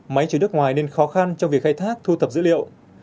máy chứa nước ngoài nên khó khăn trong việc khai thác thu thập dữ liệu